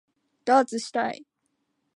ダーツしたい